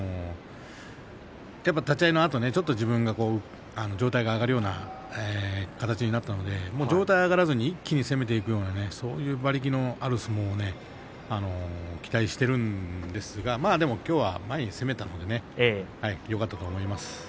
立ち合いのあと、ちょっと上体が上がるような形になったので上体が上がらずに一気に攻めていくそういう馬力のある相撲を期待しているんですがでも、きょうは前に攻めることができたので、よかったと思います。